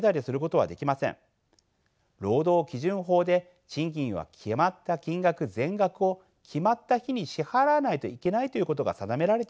労働基準法で賃金は決まった金額全額を決まった日に支払わないといけないということが定められているからです。